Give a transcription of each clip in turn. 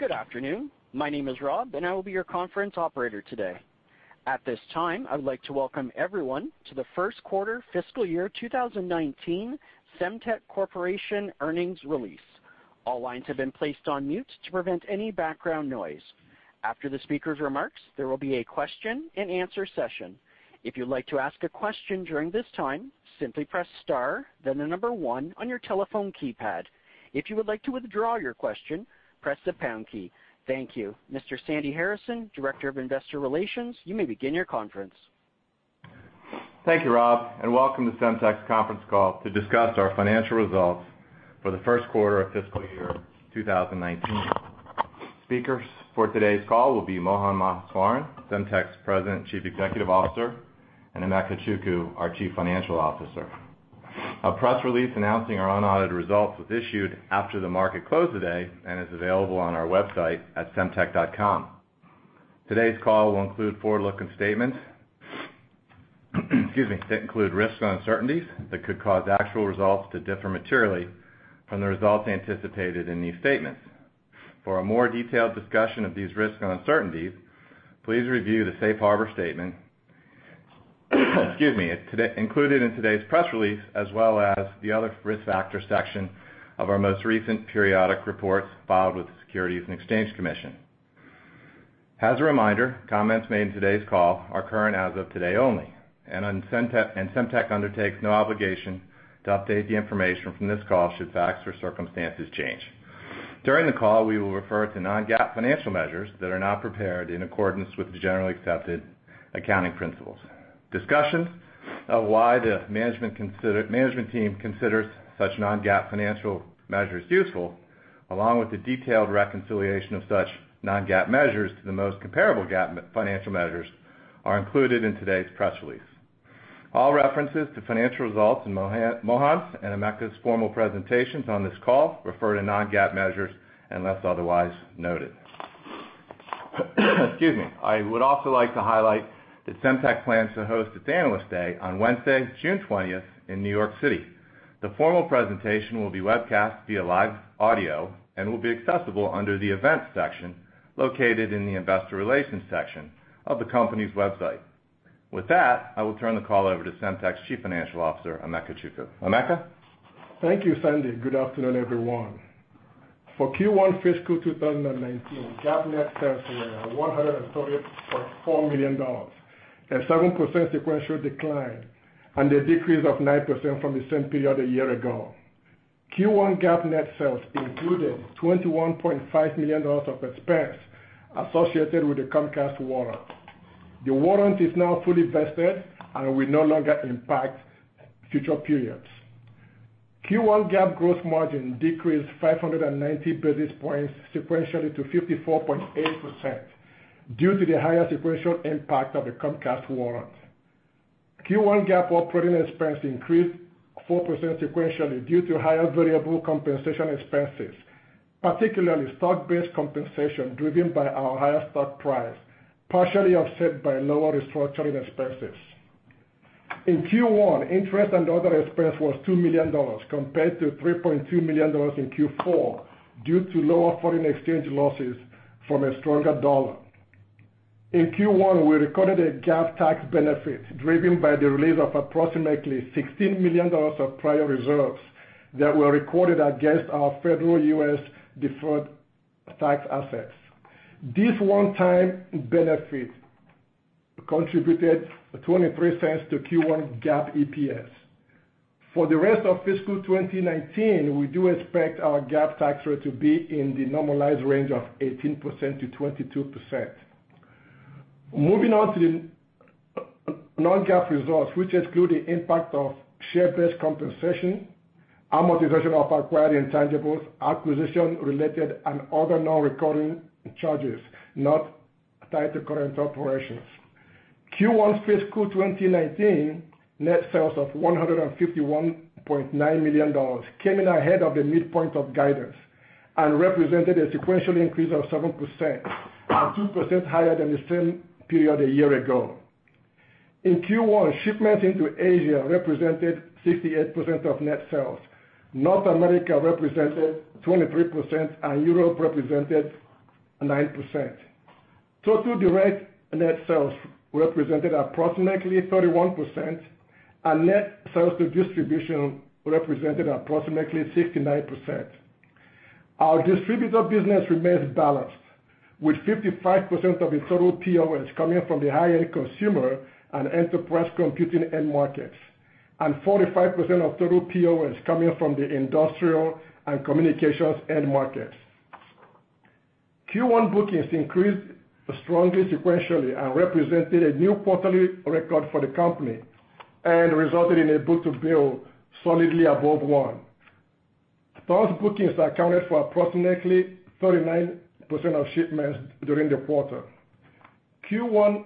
Good afternoon. My name is Rob, I will be your conference operator today. At this time, I would like to welcome everyone to the first quarter fiscal year 2019 Semtech Corporation earnings release. All lines have been placed on mute to prevent any background noise. After the speaker's remarks, there will be a question-and-answer session. If you'd like to ask a question during this time, simply press star, then the number 1 on your telephone keypad. If you would like to withdraw your question, press the pound key. Thank you. Mr. Sandy Harrison, Director of Investor Relations, you may begin your conference. Thank you, Rob, and welcome to Semtech's conference call to discuss our financial results for the first quarter of fiscal year 2019. Speakers for today's call will be Mohan Maheswaran, Semtech's President Chief Executive Officer, and Emeka Chukwu, our Chief Financial Officer. A press release announcing our unaudited results was issued after the market closed today and is available on our website at semtech.com. Today's call will include forward-looking statements that include risks and uncertainties that could cause actual results to differ materially from the results anticipated in these statements. For a more detailed discussion of these risks and uncertainties, please review the safe harbor statement included in today's press release, as well as the other risk factor section of our most recent periodic reports filed with the Securities and Exchange Commission. As a reminder, comments made in today's call are current as of today only, Semtech undertakes no obligation to update the information from this call should facts or circumstances change. During the call, we will refer to non-GAAP financial measures that are not prepared in accordance with the generally accepted accounting principles. Discussion of why the management team considers such non-GAAP financial measures useful, along with a detailed reconciliation of such non-GAAP measures to the most comparable GAAP financial measures, are included in today's press release. All references to financial results in Mohan's and Emeka's formal presentations on this call refer to non-GAAP measures unless otherwise noted. Excuse me. I would also like to highlight that Semtech plans to host its Analyst Day on Wednesday, June 20th in New York City. The formal presentation will be webcast via live audio and will be accessible under the Events section, located in the Investor Relations section of the company's website. With that, I will turn the call over to Semtech's Chief Financial Officer, Emeka Chukwu. Emeka? Thank you, Sandy. Good afternoon, everyone. For Q1 fiscal 2019, GAAP net sales were at $134 million, a 7% sequential decline and a decrease of 9% from the same period a year ago. Q1 GAAP net sales included $21.5 million of expense associated with the Comcast warrant. The warrant is now fully vested and will no longer impact future periods. Q1 GAAP gross margin decreased 590 basis points sequentially to 54.8% due to the higher sequential impact of the Comcast warrant. Q1 GAAP operating expense increased 4% sequentially due to higher variable compensation expenses, particularly stock-based compensation driven by our higher stock price, partially offset by lower restructuring expenses. In Q1, interest and other expense was $2 million compared to $3.2 million in Q4 due to lower foreign exchange losses from a stronger dollar. In Q1, we recorded a GAAP tax benefit driven by the release of approximately $16 million of prior reserves that were recorded against our federal U.S. deferred tax assets. This one-time benefit contributed $0.23 to Q1 GAAP EPS. For the rest of fiscal 2019, we do expect our GAAP tax rate to be in the normalized range of 18%-22%. Moving on to the non-GAAP results, which exclude the impact of share-based compensation, amortization of acquired intangibles, acquisition-related, and other non-recurring charges not tied to current operations. Q1 fiscal 2019 net sales of $151.9 million came in ahead of the midpoint of guidance and represented a sequential increase of 7% and 2% higher than the same period a year ago. In Q1, shipments into Asia represented 68% of net sales. North America represented 23%, and Europe represented 9%. Total direct net sales represented approximately 31%, and net sales to distribution represented approximately 69%. Our distributor business remains balanced, with 55% of the total POS coming from the high-end consumer and enterprise computing end markets, and 45% of total POS coming from the industrial and communications end markets. Q1 bookings increased strongly sequentially and represented a new quarterly record for the company and resulted in a book-to-bill solidly above one. Those bookings accounted for approximately 39% of shipments during the quarter. Q1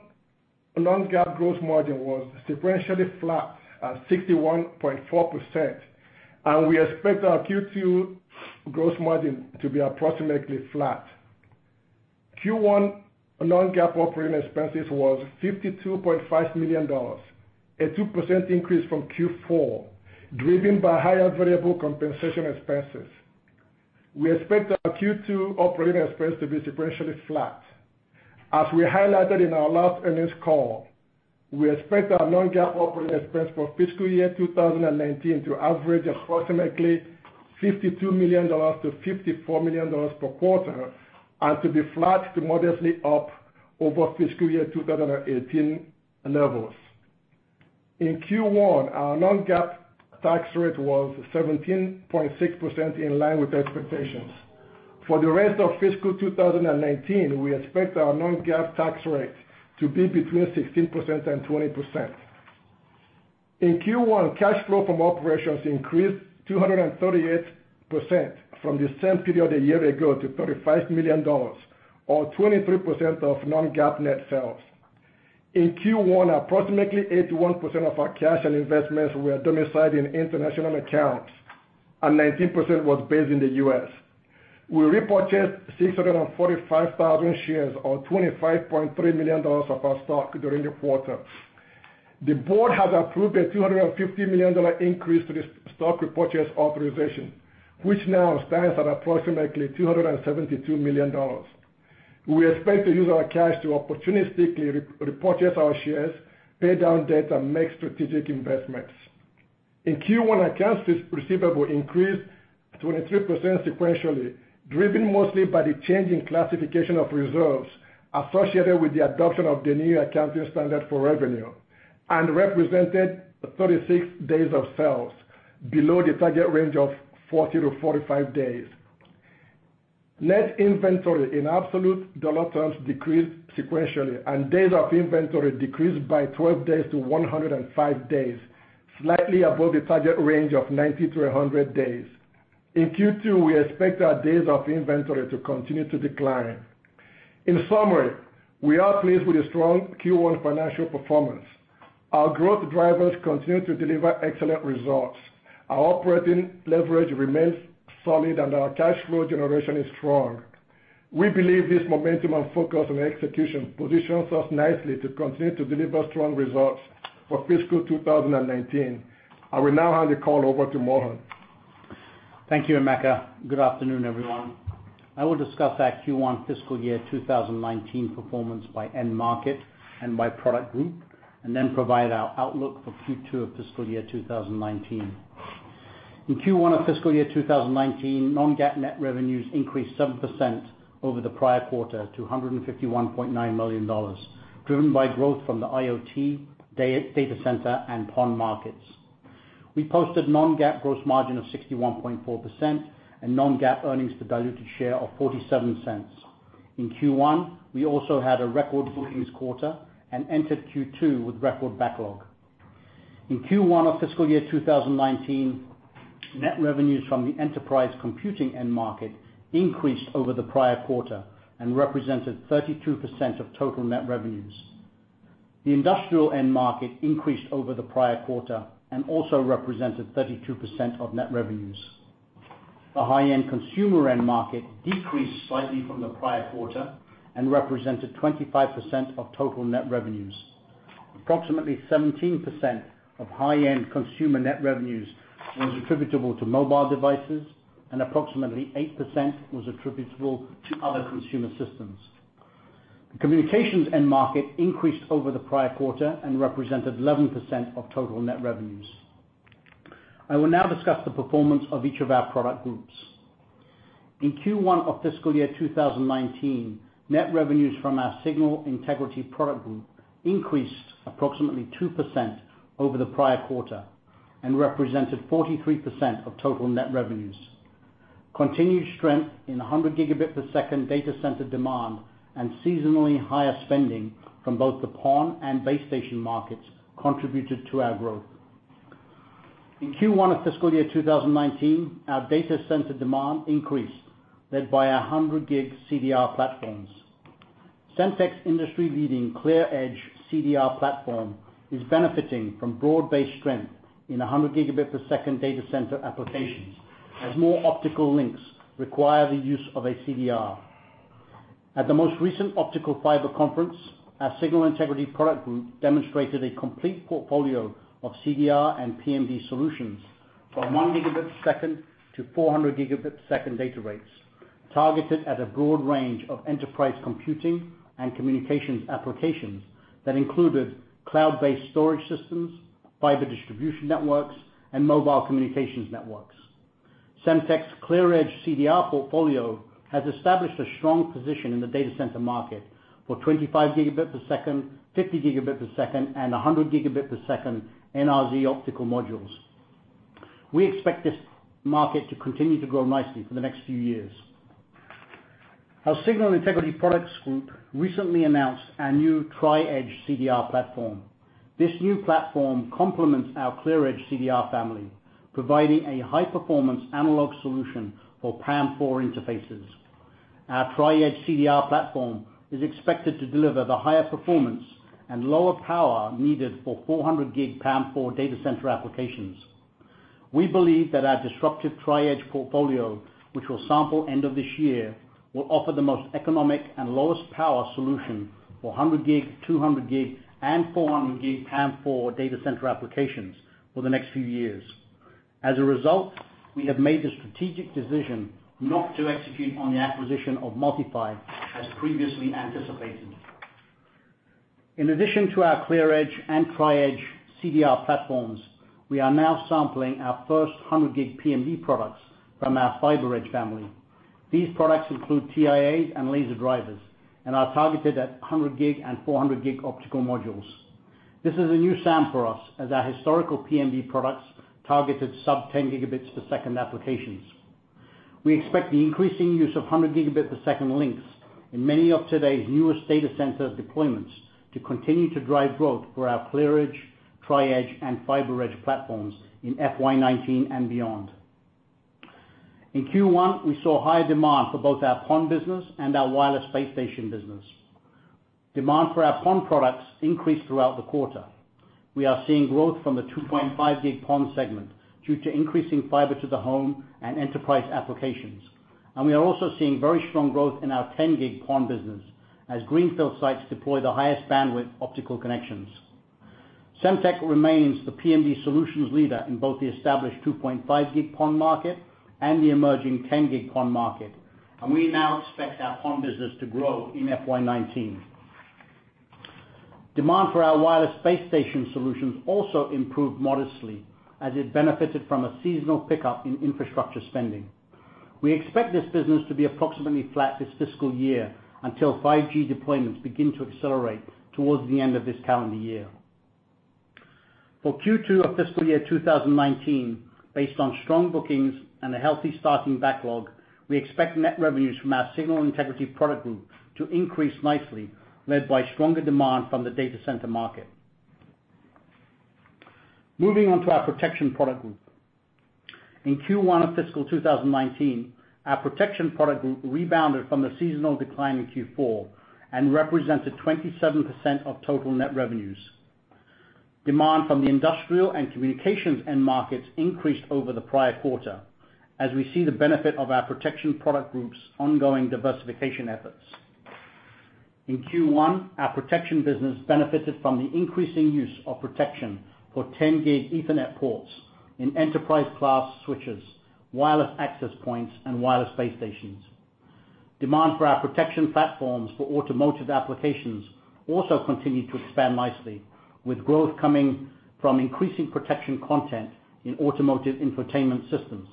non-GAAP gross margin was sequentially flat at 61.4%, and we expect our Q2 gross margin to be approximately flat. Q1 non-GAAP operating expenses was $52.5 million, a 2% increase from Q4, driven by higher variable compensation expenses. We expect our Q2 operating expense to be sequentially flat. As we highlighted in our last earnings call, we expect our non-GAAP operating expense for fiscal year 2019 to average approximately $52 million-$54 million per quarter, and to be flat to modestly up over fiscal year 2018 levels. In Q1, our non-GAAP tax rate was 17.6%, in line with expectations. For the rest of fiscal 2019, we expect our non-GAAP tax rate to be between 16% and 20%. In Q1, cash flow from operations increased 238% from the same period a year ago to $35 million, or 23% of non-GAAP net sales. In Q1, approximately 81% of our cash and investments were domiciled in international accounts, and 19% was based in the U.S. We repurchased 645,000 shares, or $25.3 million of our stock during the quarter. The board has approved a $250 million increase to the stock repurchase authorization, which now stands at approximately $272 million. We expect to use our cash to opportunistically repurchase our shares, pay down debt, and make strategic investments. In Q1, accounts receivable increased 23% sequentially, driven mostly by the change in classification of reserves associated with the adoption of the new accounting standard for revenue, and represented 36 days of sales, below the target range of 40-45 days. Net inventory in absolute dollar terms decreased sequentially, and days of inventory decreased by 12 days to 105 days, slightly above the target range of 90-100 days. In Q2, we expect our days of inventory to continue to decline. In summary, we are pleased with the strong Q1 financial performance. Our growth drivers continue to deliver excellent results. Our operating leverage remains solid, and our cash flow generation is strong. We believe this momentum and focus on execution positions us nicely to continue to deliver strong results for fiscal 2019. I will now hand the call over to Mohan. Thank you, Emeka. Good afternoon, everyone. I will discuss our Q1 fiscal year 2019 performance by end market and by product group, and then provide our outlook for Q2 of fiscal year 2019. In Q1 of fiscal year 2019, non-GAAP net revenues increased 7% over the prior quarter to $151.9 million, driven by growth from the IoT, data center, and PON markets. We posted non-GAAP gross margin of 61.4% and non-GAAP earnings per diluted share of $0.47. In Q1, we also had a record bookings quarter and entered Q2 with record backlog. In Q1 of fiscal year 2019, net revenues from the enterprise computing end market increased over the prior quarter and represented 32% of total net revenues. The industrial end market increased over the prior quarter and also represented 32% of net revenues. The high-end consumer end market decreased slightly from the prior quarter and represented 25% of total net revenues. Approximately 17% of high-end consumer net revenues was attributable to mobile devices, and approximately 8% was attributable to other consumer systems. The communications end market increased over the prior quarter and represented 11% of total net revenues. I will now discuss the performance of each of our product groups. In Q1 of fiscal year 2019, net revenues from our signal integrity product group increased approximately 2% over the prior quarter and represented 43% of total net revenues. Continued strength in 100 gigabit per second data center demand and seasonally higher spending from both the PON and base station markets contributed to our growth. In Q1 of fiscal year 2019, our data center demand increased, led by 100 gig CDR platforms. Semtech's industry-leading ClearEdge CDR platform is benefiting from broad-based strength in 100 gigabit per second data center applications, as more optical links require the use of a CDR. At the most recent optical fiber conference, our signal integrity product group demonstrated a complete portfolio of CDR and PMD solutions from 1 gigabit per second to 400 gigabit per second data rates, targeted at a broad range of enterprise computing and communications applications that included cloud-based storage systems, fiber distribution networks, and mobile communications networks. Semtech's ClearEdge CDR portfolio has established a strong position in the data center market for 25 gigabit per second, 50 gigabit per second, and 100 gigabit per second NRZ optical modules. We expect this market to continue to grow nicely for the next few years. Our signal integrity products group recently announced a new Tri-Edge CDR platform. This new platform complements our ClearEdge CDR family, providing a high-performance analog solution for PAM4 interfaces. Our Tri-Edge CDR platform is expected to deliver the higher performance and lower power needed for 400 gig PAM4 data center applications. We believe that our disruptive Tri-Edge portfolio, which will sample end of this year, will offer the most economic and lowest power solution for 100G, 200G, and 400G PAM4 data center applications for the next few years. As a result, we have made the strategic decision not to execute on the acquisition of MultiPhy as previously anticipated. In addition to our ClearEdge and Tri-Edge CDR platforms, we are now sampling our first 100G PMD products from our FiberEdge family. These products include TIAs and laser drivers and are targeted at 100G and 400G optical modules. This is a new SAM for us as our historical PMD products targeted sub-10 gigabits per second applications. We expect the increasing use of 100 gigabit per second links in many of today's newest data center deployments to continue to drive growth for our ClearEdge, Tri-Edge, and FiberEdge platforms in FY 2019 and beyond. In Q1, we saw high demand for both our PON business and our wireless base station business. Demand for our PON products increased throughout the quarter. We are seeing growth from the 2.5 gig PON segment due to increasing fiber to the home and enterprise applications. We are also seeing very strong growth in our 10 gig PON business as greenfield sites deploy the highest bandwidth optical connections. Semtech remains the PMD solutions leader in both the established 2.5 gig PON market and the emerging 10 gig PON market. We now expect our PON business to grow in FY 2019. Demand for our wireless base station solutions also improved modestly as it benefited from a seasonal pickup in infrastructure spending. We expect this business to be approximately flat this fiscal year until 5G deployments begin to accelerate towards the end of this calendar year. For Q2 of fiscal year 2019, based on strong bookings and a healthy starting backlog, we expect net revenues from our signal integrity product group to increase nicely, led by stronger demand from the data center market. Moving on to our protection product group. In Q1 of fiscal 2019, our protection product group rebounded from the seasonal decline in Q4 and represented 27% of total net revenues. Demand from the industrial and communications end markets increased over the prior quarter as we see the benefit of our protection product group's ongoing diversification efforts. In Q1, our protection business benefited from the increasing use of protection for 10 gig Ethernet ports in enterprise class switches, wireless access points, and wireless base stations. Demand for our protection platforms for automotive applications also continued to expand nicely, with growth coming from increasing protection content in automotive infotainment systems.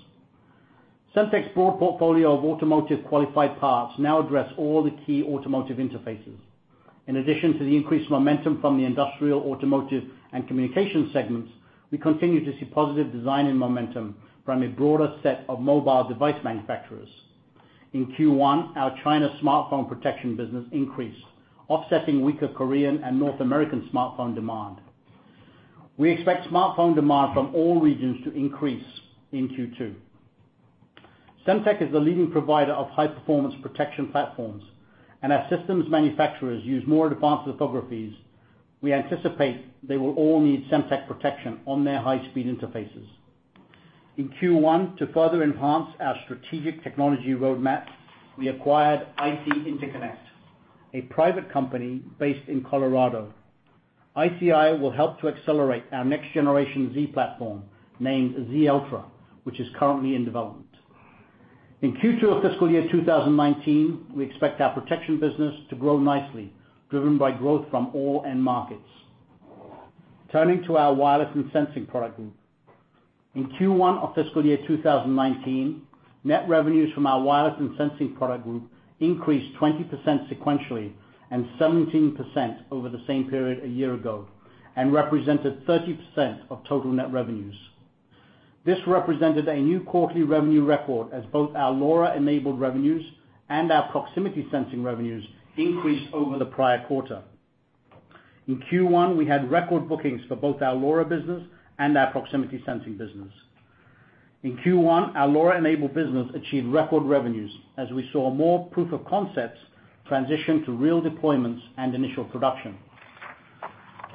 Semtech's broad portfolio of automotive qualified parts now address all the key automotive interfaces. In addition to the increased momentum from the industrial, automotive, and communication segments, we continue to see positive design and momentum from a broader set of mobile device manufacturers. In Q1, our China smartphone protection business increased, offsetting weaker Korean and North American smartphone demand. We expect smartphone demand from all regions to increase in Q2. Semtech is the leading provider of high-performance protection platforms. As systems manufacturers use more advanced lithographies, we anticipate they will all need Semtech protection on their high-speed interfaces. In Q1, to further enhance our strategic technology roadmap, we acquired IC Interconnect, a private company based in Colorado. ICI will help to accelerate our next generation Z-Platform, named Z-Ultra, which is currently in development. In Q2 of fiscal year 2019, we expect our protection business to grow nicely, driven by growth from all end markets. Turning to our wireless and sensing product group. In Q1 of fiscal year 2019, net revenues from our wireless and sensing product group increased 20% sequentially and 17% over the same period a year ago and represented 30% of total net revenues. This represented a new quarterly revenue record as both our LoRa-enabled revenues and our proximity sensing revenues increased over the prior quarter. In Q1, we had record bookings for both our LoRa business and our proximity sensing business. In Q1, our LoRa-enabled business achieved record revenues as we saw more proof of concepts transition to real deployments and initial production.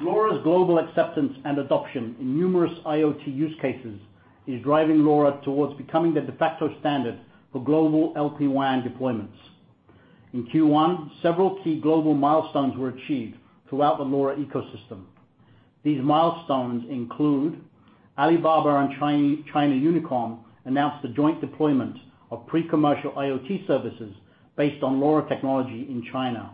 LoRa's global acceptance and adoption in numerous IoT use cases is driving LoRa towards becoming the de facto standard for global LPWAN deployments. In Q1, several key global milestones were achieved throughout the LoRa ecosystem. These milestones include Alibaba and China Unicom announced the joint deployment of pre-commercial IoT services based on LoRa technology in China.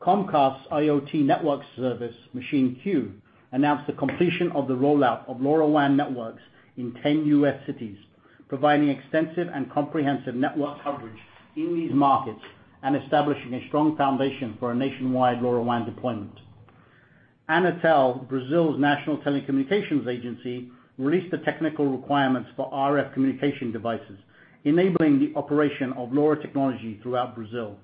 Comcast's IoT network service, MachineQ, announced the completion of the rollout of LoRaWAN networks in 10 U.S. cities, providing extensive and comprehensive network coverage in these markets and establishing a strong foundation for a nationwide LoRaWAN deployment. Anatel, Brazil's national telecommunications agency, released the technical requirements for RF communication devices, enabling the operation of LoRa technology throughout Brazil.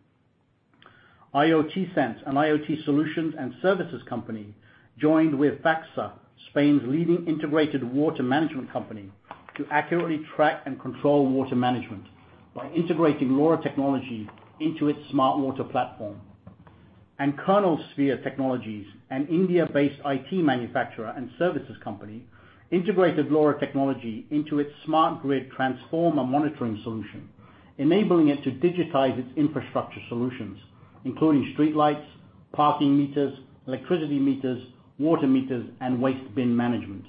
IoTsens, an IoT solutions and services company, joined with FACSA, Spain's leading integrated water management company, to accurately track and control water management by integrating LoRa technology into its Smart Water platform. Kernelsphere Technologies, an India-based IT manufacturer and services company, integrated LoRa technology into its smart grid transformer monitoring solution, enabling it to digitize its infrastructure solutions, including streetlights, parking meters, electricity meters, water meters, and waste bin management.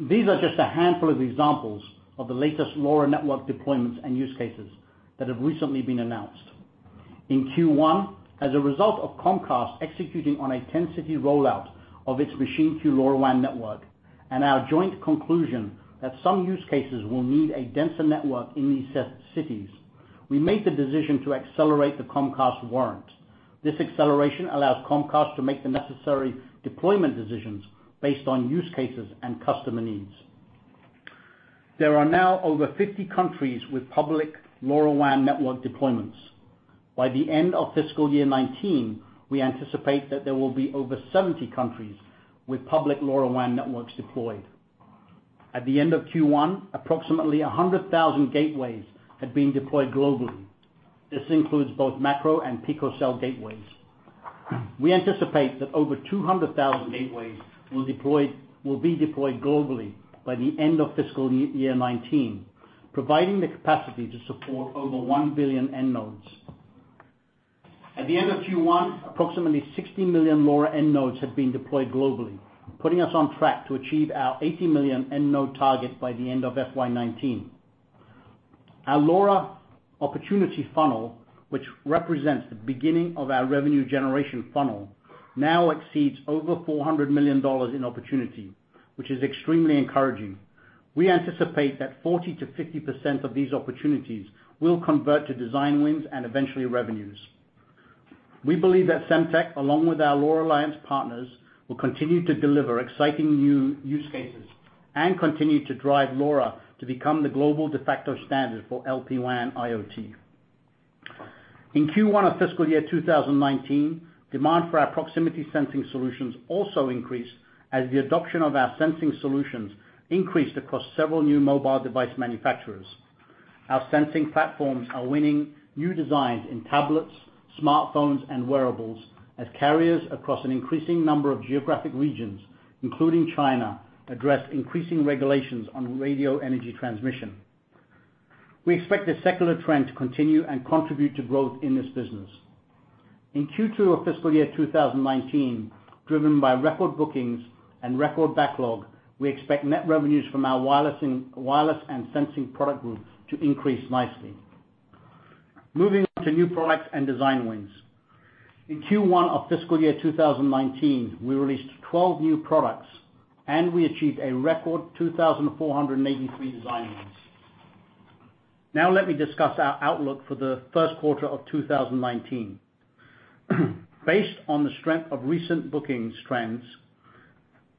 These are just a handful of examples of the latest LoRaWAN network deployments and use cases that have recently been announced. In Q1, as a result of Comcast executing on a 10-city rollout of its MachineQ LoRaWAN network, and our joint conclusion that some use cases will need a denser network in these set cities, we made the decision to accelerate the Comcast warrant. This acceleration allows Comcast to make the necessary deployment decisions based on use cases and customer needs. There are now over 50 countries with public LoRaWAN network deployments. By the end of FY 2019, we anticipate that there will be over 70 countries with public LoRaWAN networks deployed. At the end of Q1, approximately 100,000 gateways had been deployed globally. This includes both macro and picocell gateways. We anticipate that over 200,000 gateways will be deployed globally by the end of FY 2019, providing the capacity to support over 1 billion end nodes. At the end of Q1, approximately 60 million LoRa end nodes had been deployed globally, putting us on track to achieve our 80 million end node target by the end of FY 2019. Our LoRa opportunity funnel, which represents the beginning of our revenue generation funnel, now exceeds over $400 million in opportunity, which is extremely encouraging. We anticipate that 40%-50% of these opportunities will convert to design wins and eventually revenues. We believe that Semtech, along with our LoRa Alliance partners, will continue to deliver exciting new use cases and continue to drive LoRa to become the global de facto standard for LPWAN IoT. In Q1 of FY 2019, demand for our proximity sensing solutions also increased as the adoption of our sensing solutions increased across several new mobile device manufacturers. Our sensing platforms are winning new designs in tablets, smartphones, and wearables as carriers across an increasing number of geographic regions, including China, address increasing regulations on radio energy transmission. We expect this secular trend to continue and contribute to growth in this business. In Q2 of FY 2019, driven by record bookings and record backlog, we expect net revenues from our wireless and sensing product groups to increase nicely. Moving on to new products and design wins. In Q1 of FY 2019, we released 12 new products, and we achieved a record 2,483 design wins. Now let me discuss our outlook for the first quarter of 2019. Based on the strength of recent bookings trends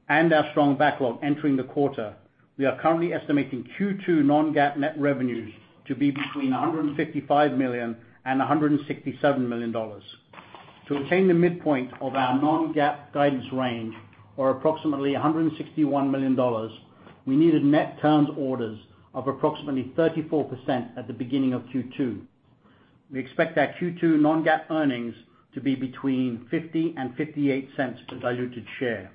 and our strong backlog entering the quarter, we are currently estimating Q2 non-GAAP net revenues to be between $155 million and $167 million. To attain the midpoint of our non-GAAP guidance range, or approximately $161 million, we needed net turns orders of approximately 34% at the beginning of Q2. We expect our Q2 non-GAAP earnings to be between $0.50 and $0.58 per diluted share.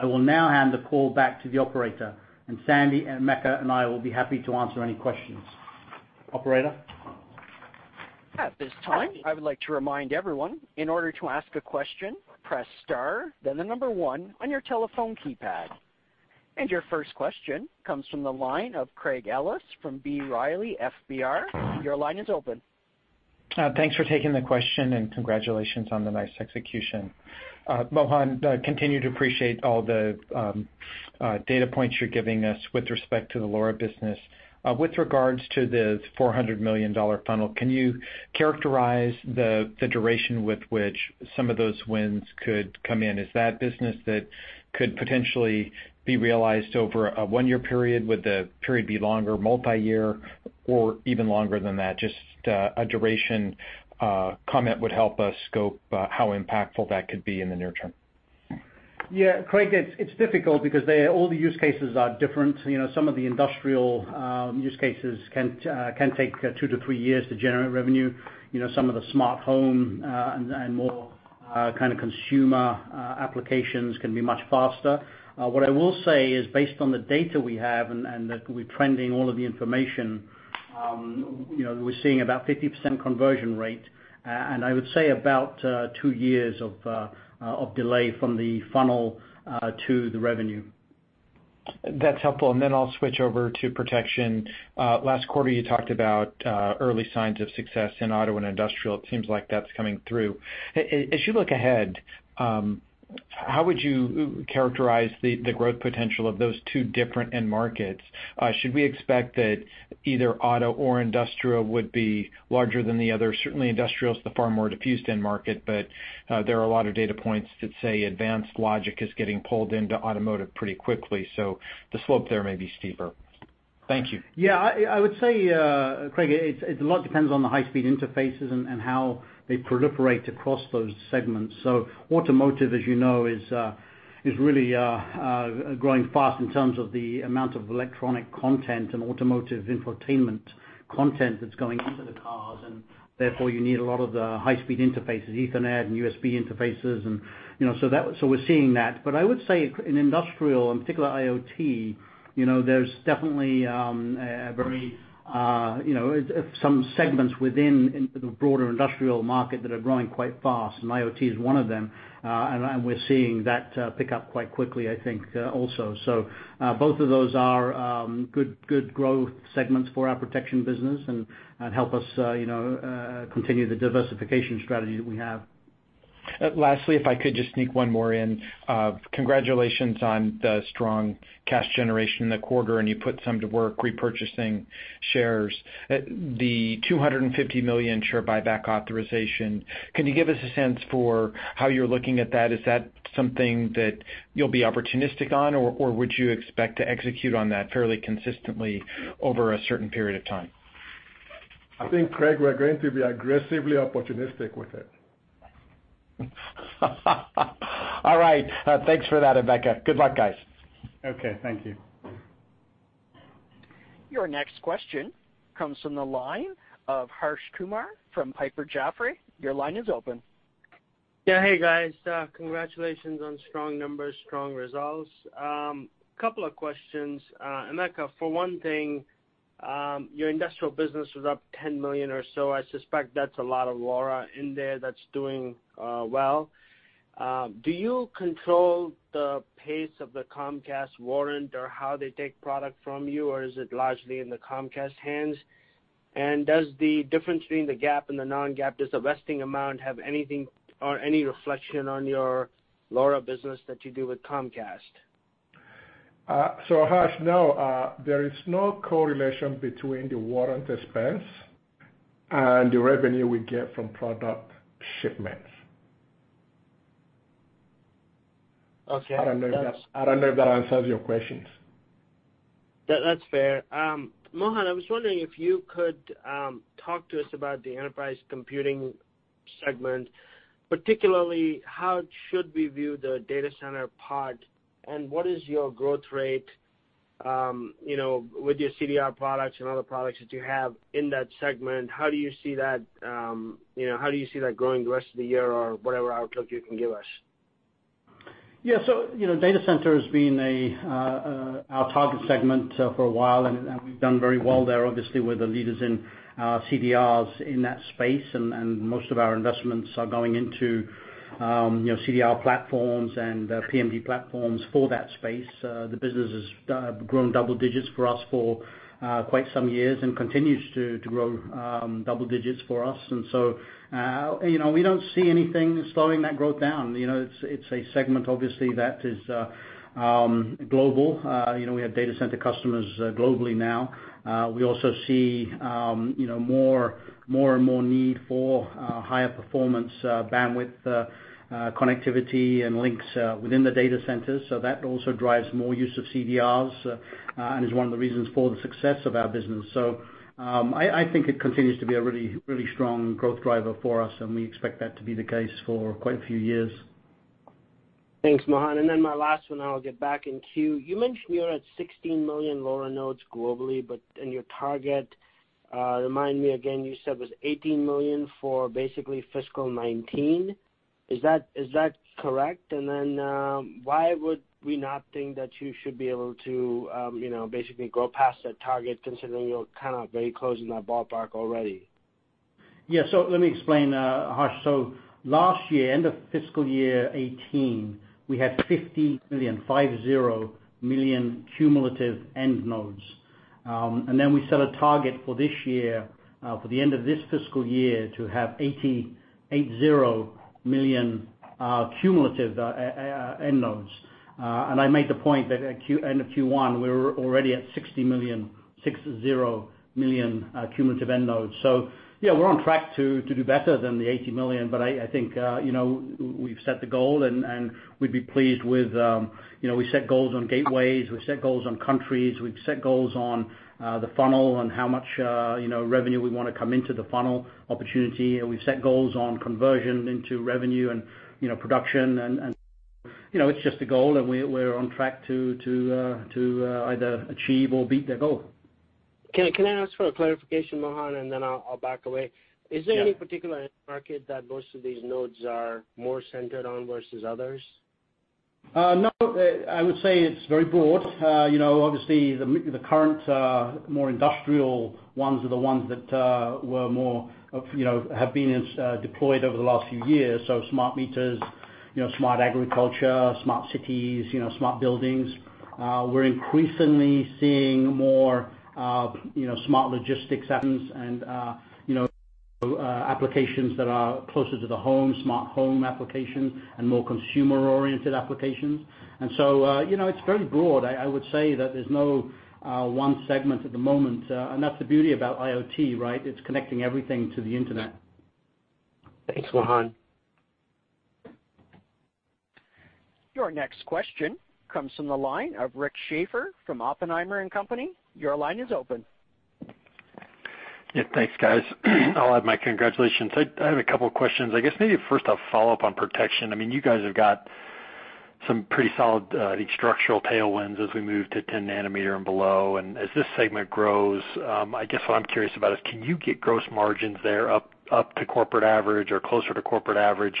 I will now hand the call back to the operator, and Sandy and Emeka and I will be happy to answer any questions. Operator? At this time, I would like to remind everyone, in order to ask a question, press star, then the number one on your telephone keypad. Your first question comes from the line of Craig Ellis from B. Riley FBR. Your line is open. Thanks for taking the question and congratulations on the nice execution. Mohan, continue to appreciate all the data points you're giving us with respect to the LoRa business. With regards to the $400 million funnel, can you characterize the duration with which some of those wins could come in? Is that business that could potentially be realized over a one-year period? Would the period be longer, multi-year, or even longer than that? Just a duration comment would help us scope how impactful that could be in the near term. Yeah, Craig, it's difficult because all the use cases are different. Some of the industrial use cases can take two to three years to generate revenue. Some of the smart home and more consumer applications can be much faster. What I will say is based on the data we have and that we're trending all of the information, we're seeing about 50% conversion rate, and I would say about two years of delay from the funnel to the revenue. That's helpful. Then I'll switch over to protection. Last quarter you talked about early signs of success in auto and industrial. It seems like that's coming through. As you look ahead, how would you characterize the growth potential of those two different end markets? Should we expect that either auto or industrial would be larger than the other? Certainly industrial is the far more diffused end market. There are a lot of data points that say advanced logic is getting pulled into automotive pretty quickly, so the slope there may be steeper. Thank you. I would say, Craig, a lot depends on the high-speed interfaces and how they proliferate across those segments. Automotive, as you know, is really growing fast in terms of the amount of electronic content and automotive infotainment content that's going into the cars, and therefore you need a lot of the high-speed interfaces, Ethernet and USB interfaces. We're seeing that. I would say in industrial, in particular IoT, there's definitely some segments within the broader industrial market that are growing quite fast, and IoT is one of them. We're seeing that pick up quite quickly, I think, also. Both of those are good growth segments for our protection business and help us continue the diversification strategy that we have. Lastly, if I could just sneak one more in. Congratulations on the strong cash generation in the quarter. You put some to work repurchasing shares. The $250 million share buyback authorization, can you give us a sense for how you're looking at that? Is that something that you'll be opportunistic on, or would you expect to execute on that fairly consistently over a certain period of time? I think, Craig, we're going to be aggressively opportunistic with it. All right. Thanks for that, Emeka. Good luck, guys. Okay. Thank you. Your next question comes from the line of Harsh Kumar from Piper Jaffray. Your line is open. Yeah. Hey, guys. Congratulations on strong numbers, strong results. Couple of questions. Emeka, for one thing, your industrial business was up $10 million or so. I suspect that's a lot of LoRa in there that's doing well. Do you control the pace of the Comcast warrant or how they take product from you, or is it largely in the Comcast hands? Does the difference between the GAAP and the non-GAAP, does the vesting amount have anything or any reflection on your LoRa business that you do with Comcast? Harsh, no. There is no correlation between the warrant expense and the revenue we get from product shipments. Okay. I don't know if that answers your questions. That's fair. Mohan, I was wondering if you could talk to us about the enterprise computing segment, particularly how should we view the data center part, and what is your growth rate with your CDR products and other products that you have in that segment? How do you see that growing the rest of the year or whatever outlook you can give us? Data center has been our target segment for a while, and we've done very well there. Obviously, we're the leaders in CDRs in that space, and most of our investments are going into CDR platforms and PMD platforms for that space. The business has grown double digits for us for quite some years and continues to grow double digits for us. We don't see anything slowing that growth down. It's a segment, obviously, that is global. We have data center customers globally now. We also see more and more need for higher performance bandwidth connectivity and links within the data centers, so that also drives more use of CDRs and is one of the reasons for the success of our business. I think it continues to be a really strong growth driver for us, and we expect that to be the case for quite a few years. Thanks, Mohan. My last one, I'll get back in queue. You mentioned you're at 16 million LoRa nodes globally, your target, remind me again, you said was 18 million for basically fiscal 2019. Is that correct? Why would we not think that you should be able to basically go past that target considering you're kind of very close in that ballpark already? Yeah. Let me explain, Harsh. Last year, end of fiscal year 2018, we had 50 million cumulative end nodes. We set a target for this year, for the end of this fiscal year to have 80 million cumulative end nodes. I made the point that end of Q1, we were already at 60 million cumulative end nodes. Yeah, we're on track to do better than the 80 million, I think we've set the goal and we'd be pleased. We set goals on gateways, we set goals on countries, we set goals on the funnel and how much revenue we want to come into the funnel opportunity. We set goals on conversion into revenue and production and it's just a goal, and we're on track to either achieve or beat the goal. Can I ask for a clarification, Mohan, I'll back away. Yeah. Is there any particular end market that most of these nodes are more centered on versus others? No. I would say it's very broad. Obviously, the current more industrial ones are the ones that have been deployed over the last few years. Smart meters, smart agriculture, smart cities, smart buildings. We're increasingly seeing more smart logistics apps and applications that are closer to the home, smart home applications and more consumer-oriented applications. It's very broad. I would say that there's no one segment at the moment. That's the beauty about IoT, right? It's connecting everything to the internet. Thanks, Mohan. Your next question comes from the line of Rick Schafer from Oppenheimer & Co. Inc. Your line is open. Thanks, guys. I'll add my congratulations. I have a couple of questions. I guess maybe first I'll follow up on protection. You guys have got some pretty solid structural tailwinds as we move to 10 nanometer and below. As this segment grows, I guess what I'm curious about is can you get gross margins there up to corporate average or closer to corporate average,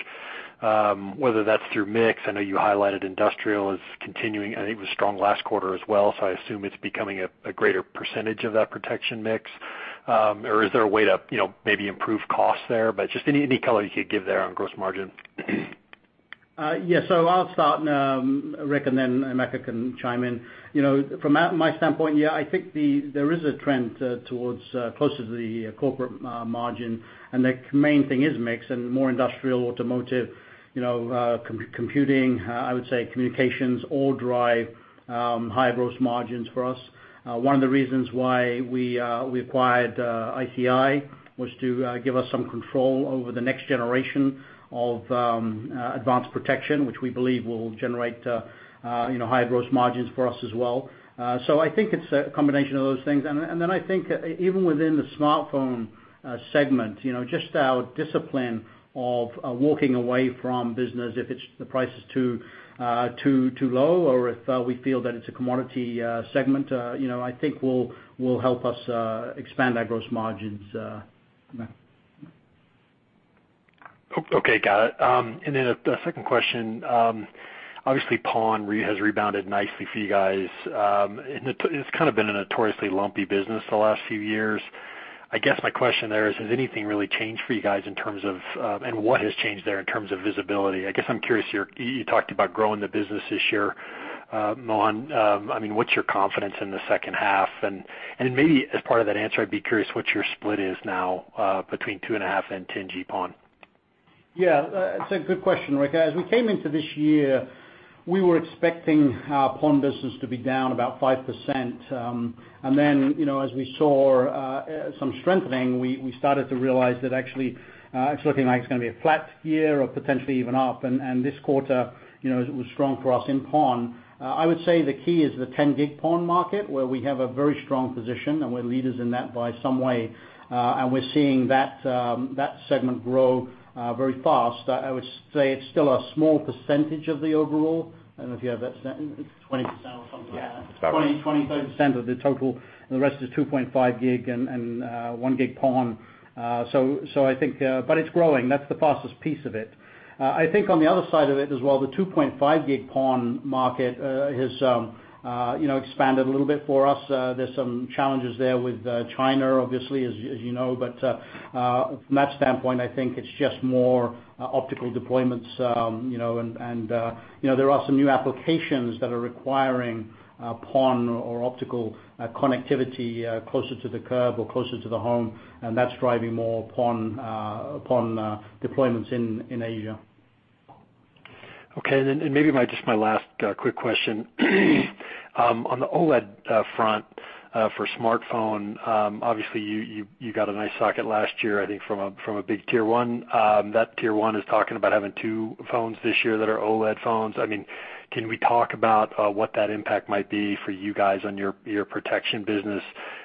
whether that's through mix, I know you highlighted industrial as continuing, and it was strong last quarter as well, so I assume it's becoming a greater percentage of that protection mix. Is there a way to maybe improve costs there? Just any color you could give there on gross margin. I'll start, Rick, and then Emeka can chime in. From my standpoint, yeah, I think there is a trend towards closer to the corporate margin, and the main thing is mix and more industrial, automotive, computing, I would say communications, all drive high gross margins for us. One of the reasons why we acquired ICI was to give us some control over the next generation of advanced protection, which we believe will generate higher gross margins for us as well. I think it's a combination of those things. I think even within the smartphone segment, just our discipline of walking away from business if the price is too low or if we feel that it's a commodity segment, I think will help us expand our gross margins. Emeka. Okay, got it. A second question. Obviously, PON has rebounded nicely for you guys. It's kind of been a notoriously lumpy business the last few years. I guess my question there is, has anything really changed for you guys in terms of, and what has changed there in terms of visibility? I guess I'm curious, you talked about growing the business this year, Mohan. What's your confidence in the second half? Maybe as part of that answer, I'd be curious what your split is now between 2.5 and 10G PON. Yeah. It's a good question, Rick. As we came into this year, we were expecting our PON business to be down about 5%. As we saw some strengthening, we started to realize that actually, it's looking like it's going to be a flat year or potentially even up. This quarter, it was strong for us in PON. I would say the key is the 10G PON market, where we have a very strong position, and we're leaders in that by some way. We're seeing that segment grow very fast. I would say it's still a small percentage of the overall. I don't know if you have that stat. 20% or something like that. Yeah. It's about right. 20%-25% of the total, and the rest is 2.5G and 1G PON. It's growing. That's the fastest piece of it. I think on the other side of it as well, the 2.5G PON market has expanded a little bit for us. There's some challenges there with China, obviously, as you know. From that standpoint, I think it's just more optical deployments, and there are some new applications that are requiring PON or optical connectivity closer to the curb or closer to the home, and that's driving more PON deployments in Asia. Okay, then, maybe just my last quick question. On the OLED front for smartphone, obviously you got a nice socket last year, I think from a big tier 1. That tier 1 is talking about having 2 phones this year that are OLED phones. Can we talk about what that impact might be for you guys on your protection business?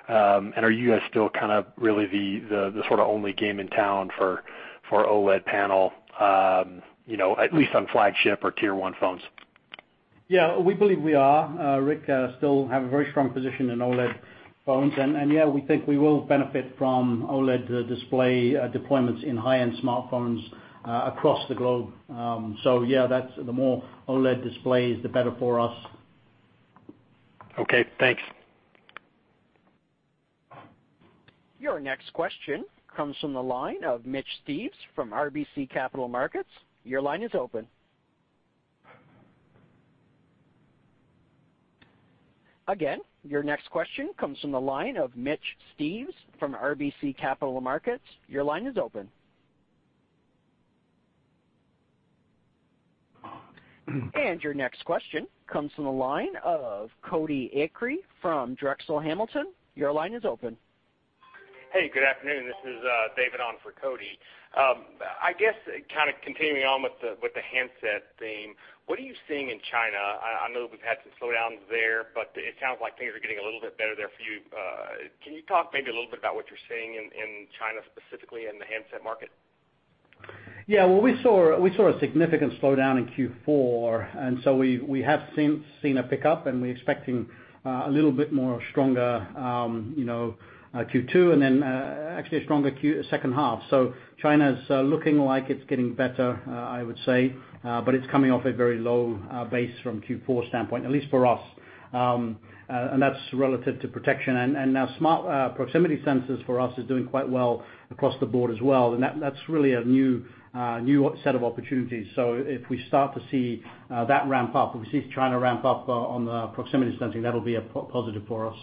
Are you guys still kind of really the sort of only game in town for OLED panel, at least on flagship or tier 1 phones? Yeah, we believe we are, Rick. Still have a very strong position in OLED phones. Yeah, we think we will benefit from OLED display deployments in high-end smartphones across the globe. Yeah, the more OLED displays, the better for us. Okay, thanks. Your next question comes from the line of Mitch Steves from RBC Capital Markets. Your line is open. Again, your next question comes from the line of Mitch Steves from RBC Capital Markets. Your line is open. Your next question comes from the line of Cody Acree from Drexel Hamilton. Your line is open. Hey, good afternoon. This is David on for Cody. I guess kind of continuing on with the handset theme. What are you seeing in China? I know we've had some slowdowns there, but it sounds like things are getting a little bit better there for you. Can you talk maybe a little bit about what you're seeing in China, specifically in the handset market? Yeah. Well, we saw a significant slowdown in Q4. We have since seen a pickup. We're expecting a little bit more stronger Q2, and actually a stronger second half. China's looking like it's getting better, I would say, but it's coming off a very low base from Q4 standpoint, at least for us. That's relative to protection. Now smart proximity sensors for us is doing quite well across the board as well. That's really a new set of opportunities. If we start to see that ramp up, if we see China ramp up on the proximity sensing, that'll be a positive for us.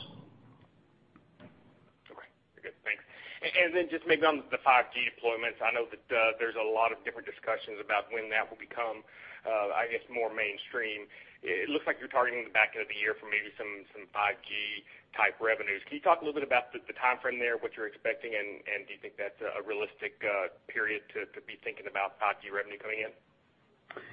Okay. Good. Thanks. Just maybe on the 5G deployments, I know that there's a lot of different discussions about when that will become, I guess, more mainstream. It looks like you're targeting the back end of the year for maybe some 5G type revenues. Can you talk a little bit about the timeframe there, what you're expecting, and do you think that's a realistic period to be thinking about 5G revenue coming in?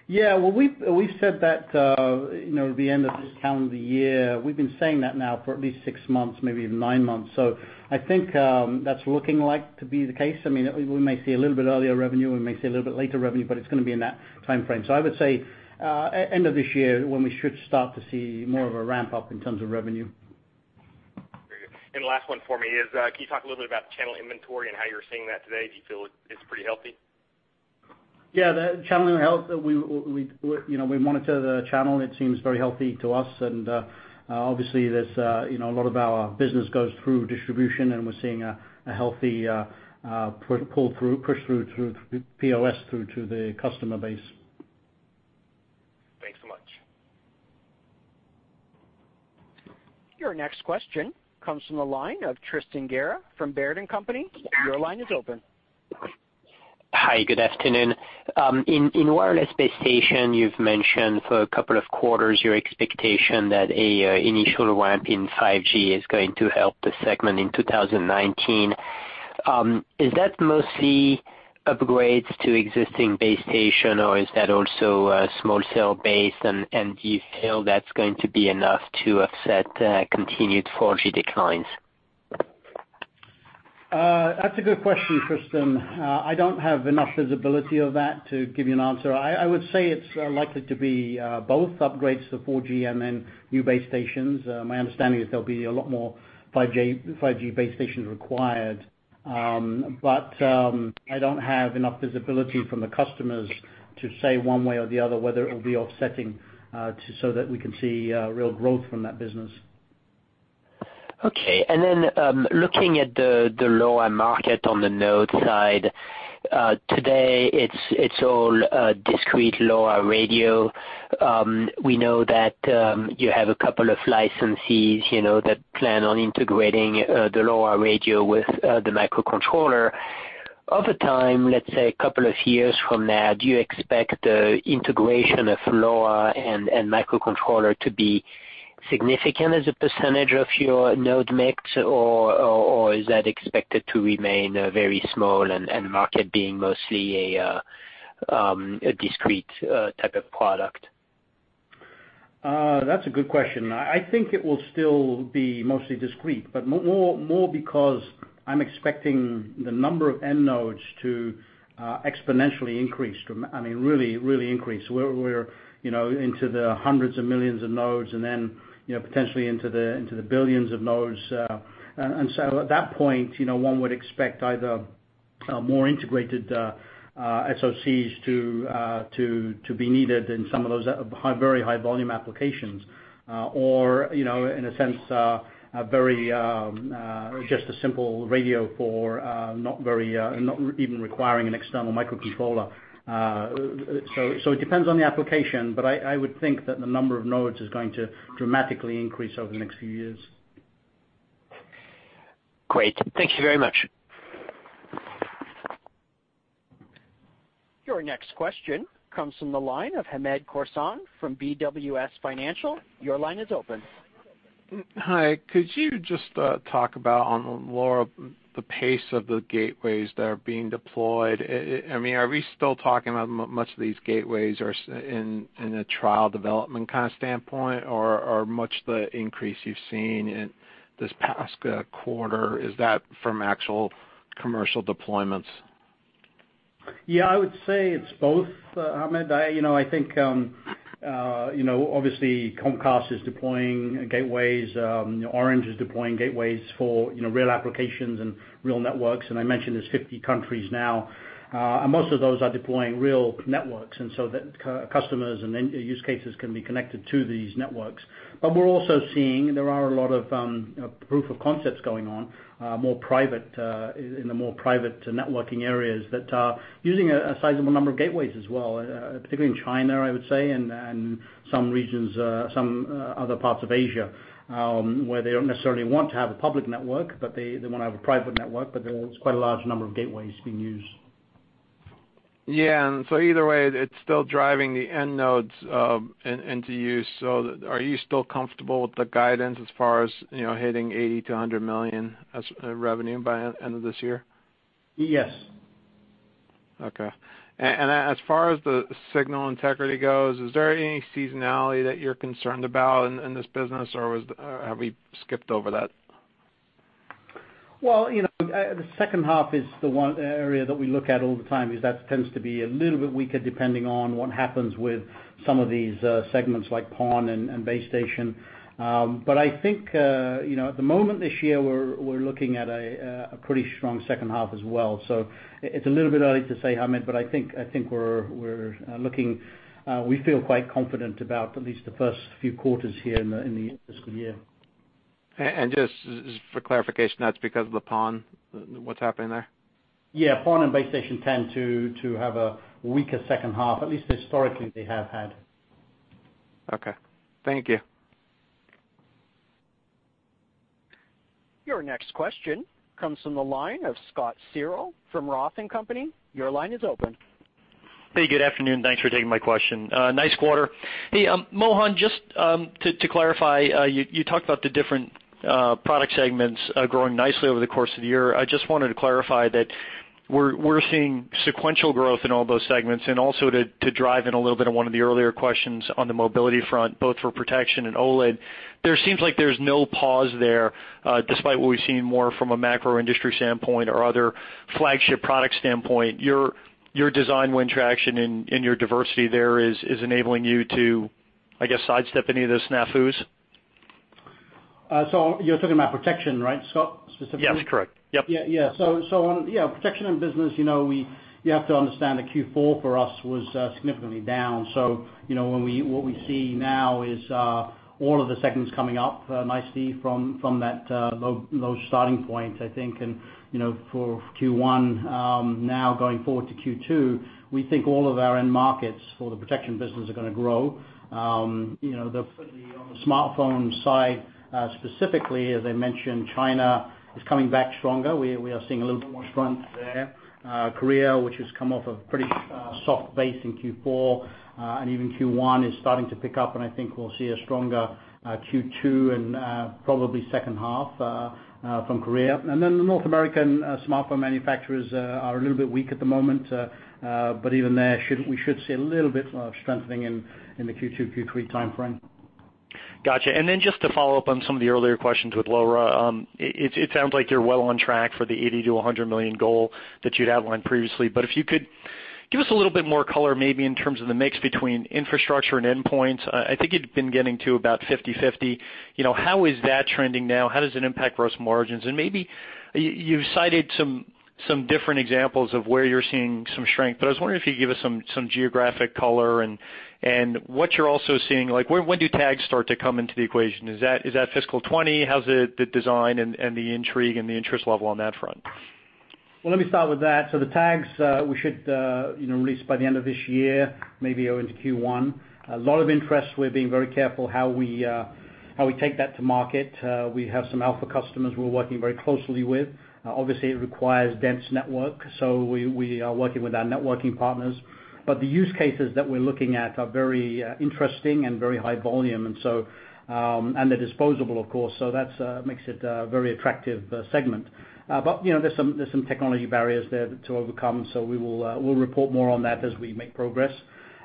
Yeah. Well, we've said that the end of this calendar year, we've been saying that now for at least 6 months, maybe even 9 months. I think that's looking like to be the case. We may see a little bit earlier revenue, we may see a little bit later revenue, but it's going to be in that timeframe. I would say, end of this year when we should start to see more of a ramp-up in terms of revenue. Very good. Last one for me is, can you talk a little bit about the channel inventory and how you're seeing that today? Do you feel it's pretty healthy? Yeah, the channel health, we monitor the channel, and it seems very healthy to us, and obviously a lot of our business goes through distribution, and we're seeing a healthy push through to the POS through to the customer base. Thanks so much. Your next question comes from the line of Tristan Gerra from Baird & Company. Your line is open. Hi, good afternoon. In wireless base station, you've mentioned for a couple of quarters your expectation that an initial ramp in 5G is going to help the segment in 2019. Is that mostly upgrades to existing base station, or is that also a small cell base, and do you feel that's going to be enough to offset continued 4G declines? That's a good question, Tristan. I don't have enough visibility of that to give you an answer. I would say it's likely to be both upgrades to 4G and then new base stations. My understanding is there'll be a lot more 5G base stations required. I don't have enough visibility from the customers to say one way or the other whether it will be offsetting so that we can see real growth from that business. Okay. Looking at the LoRa market on the node side. Today it's all discrete LoRa radio. We know that you have a couple of licensees that plan on integrating the LoRa radio with the microcontroller. Over time, let's say a couple of years from now, do you expect the integration of LoRa and microcontroller to be significant as a percentage of your node mix, or is that expected to remain very small and market being mostly a discrete type of product? That's a good question. I think it will still be mostly discrete, but more because I'm expecting the number of end nodes to exponentially increase. Really increase. We're into the hundreds of millions of nodes and then potentially into the billions of nodes. At that point, one would expect either more integrated SOCs to be needed in some of those very high volume applications. In a sense, just a simple radio not even requiring an external microcontroller. It depends on the application, but I would think that the number of nodes is going to dramatically increase over the next few years. Great. Thank you very much. Your next question comes from the line of Hamed Khorsand from BWS Financial. Your line is open. Hi. Could you just talk about on LoRa, the pace of the gateways that are being deployed. Are we still talking about much of these gateways are in a trial development kind of standpoint, or are much the increase you've seen in this past quarter, is that from actual commercial deployments? Yeah, I would say it's both, Hamed. I think, obviously Comcast is deploying gateways, Orange is deploying gateways for real applications and real networks, and I mentioned there's 50 countries now. Most of those are deploying real networks, and so that customers and end use cases can be connected to these networks. We're also seeing there are a lot of proof of concepts going on, in the more private networking areas that are using a sizable number of gateways as well. Particularly in China, I would say, and some other parts of Asia, where they don't necessarily want to have a public network, but they want to have a private network, there's quite a large number of gateways being used. Yeah, either way, it's still driving the end nodes into use. Are you still comfortable with the guidance as far as hitting $80 million-$100 million as revenue by end of this year? Yes. Okay. As far as the signal integrity goes, is there any seasonality that you're concerned about in this business, or have we skipped over that? Well, the second half is the one area that we look at all the time, because that tends to be a little bit weaker depending on what happens with some of these segments like PON and base station. I think at the moment this year, we're looking at a pretty strong second half as well. It's a little bit early to say, Hamed, but I think we feel quite confident about at least the first few quarters here in the fiscal year. Just for clarification, that's because of the PON, what's happening there? Yeah. PON and base station tend to have a weaker second half, at least historically they have had. Okay. Thank you. Your next question comes from the line of Scott Searle from ROTH Capital Partners. Your line is open. Hey, good afternoon. Thanks for taking my question. Nice quarter. Hey, Mohan, just to clarify, you talked about the different product segments growing nicely over the course of the year. I just wanted to clarify that we're seeing sequential growth in all those segments and also to drive in a little bit on one of the earlier questions on the mobility front, both for protection and OLED. There seems like there's no pause there, despite what we've seen more from a macro industry standpoint or other flagship product standpoint. Your design win traction and your diversity there is enabling you to, I guess, sidestep any of the snafus? You're talking about protection, right, Scott, specifically? Yes, correct. Yep. Protection in business, you have to understand that Q4 for us was significantly down. What we see now is all of the segments coming up nicely from that low starting point, I think. For Q1, now going forward to Q2, we think all of our end markets for the protection business are going to grow. Certainly on the smartphone side, specifically, as I mentioned, China is coming back stronger. We are seeing a little bit more strength there. Korea, which has come off a pretty soft base in Q4 and even Q1, is starting to pick up, and I think we'll see a stronger Q2 and probably second half from Korea. The North American smartphone manufacturers are a little bit weak at the moment. Even there, we should see a little bit of strengthening in the Q2, Q3 timeframe. Got you. Just to follow up on some of the earlier questions with LoRa, it sounds like you're well on track for the $80 million-$100 million goal that you'd outlined previously. If you could give us a little bit more color, maybe in terms of the mix between infrastructure and endpoints. I think you'd been getting to about 50/50. How is that trending now? How does it impact gross margins? Maybe you've cited some different examples of where you're seeing some strength, but I was wondering if you could give us some geographic color and what you're also seeing, like when do tags start to come into the equation? Is that fiscal 2020? How's the design and the intrigue and the interest level on that front? Well, let me start with that. The tags, we should release by the end of this year, maybe into Q1. A lot of interest. We're being very careful how we take that to market. We have some alpha customers we're working very closely with. Obviously, it requires dense network, so we are working with our networking partners. The use cases that we're looking at are very interesting and very high volume, and they're disposable, of course. That makes it a very attractive segment. There's some technology barriers there to overcome. We'll report more on that as we make progress.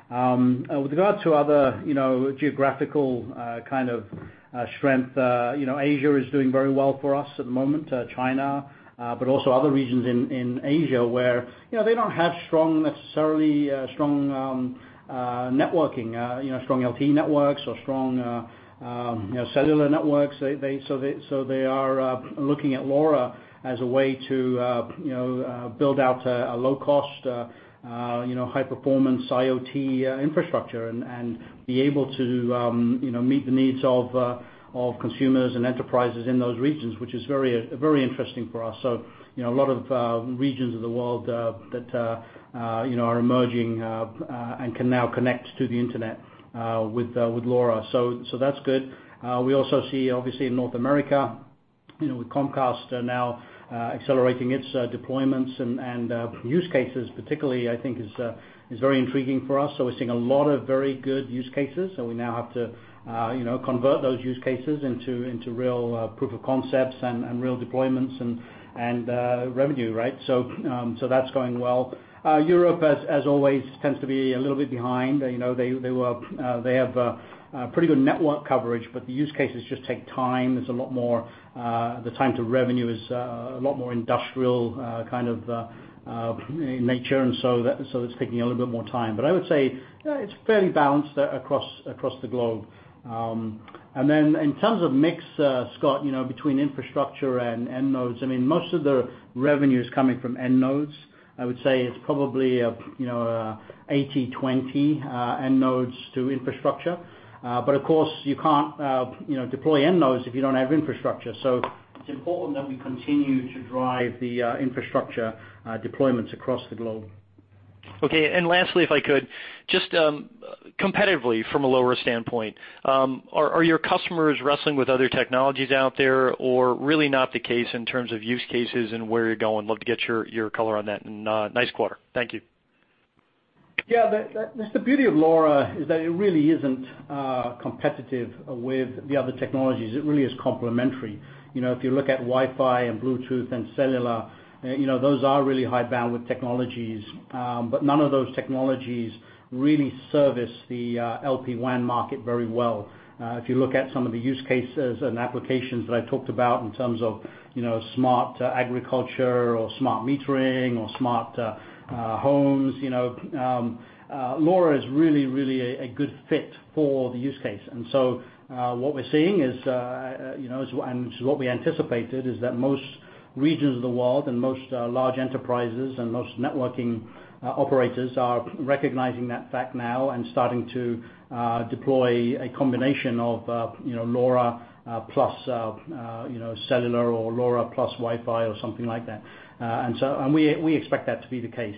With regard to other geographical kind of strength, Asia is doing very well for us at the moment. China, but also other regions in Asia where they don't have necessarily strong networking, strong LTE networks or strong cellular networks. They are looking at LoRa as a way to build out a low cost, high performance IoT infrastructure and be able to meet the needs of consumers and enterprises in those regions, which is very interesting for us. A lot of regions of the world that are emerging and can now connect to the internet with LoRa. That's good. We also see, obviously in North America, with Comcast now accelerating its deployments and use cases particularly, I think is very intriguing for us. We're seeing a lot of very good use cases. We now have to convert those use cases into real proof of concepts and real deployments and revenue, right? That's going well. Europe, as always, tends to be a little bit behind. They have a pretty good network coverage, but the use cases just take time. The time to revenue is a lot more industrial kind of nature, and so it's taking a little bit more time. I would say it's fairly balanced across the globe. In terms of mix, Scott, between infrastructure and end nodes, most of the revenue is coming from end nodes. I would say it's probably 80/20 end nodes to infrastructure. Of course you can't deploy end nodes if you don't have infrastructure. It's important that we continue to drive the infrastructure deployments across the globe. Lastly, if I could, just competitively from a LoRa standpoint, are your customers wrestling with other technologies out there or really not the case in terms of use cases and where you're going? Love to get your color on that and nice quarter. Thank you. That's the beauty of LoRa is that it really isn't competitive with the other technologies. It really is complementary. If you look at Wi-Fi and Bluetooth and cellular, those are really high bandwidth technologies. But none of those technologies really service the LPWAN market very well. If you look at some of the use cases and applications that I talked about in terms of smart agriculture or smart metering or smart homes, LoRa is really a good fit for the use case. What we're seeing and what we anticipated is that most regions of the world and most large enterprises and most networking operators are recognizing that fact now and starting to deploy a combination of LoRa plus cellular or LoRa plus Wi-Fi or something like that. We expect that to be the case.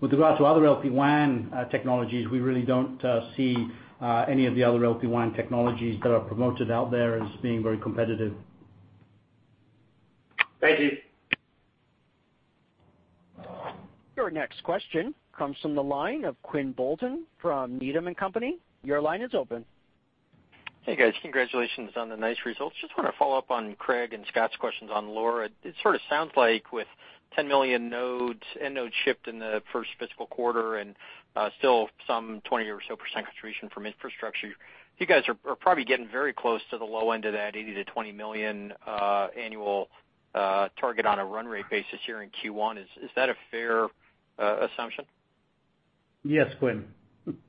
With regard to other LPWAN technologies, we really don't see any of the other LPWAN technologies that are promoted out there as being very competitive. Thank you. Your next question comes from the line of Quinn Bolton from Needham & Company. Your line is open. Hey, guys. Congratulations on the nice results. Just want to follow up on Craig and Scott's questions on LoRa. It sort of sounds like with 10 million end nodes shipped in the first fiscal quarter and still some 20% or so contribution from infrastructure, you guys are probably getting very close to the low end of that 80 to 20 million annual target on a run rate basis here in Q1. Is that a fair assumption? Yes, Quinn.